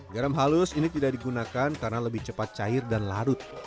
garam halus ini tidak digunakan karena lebih cepat cair dan larut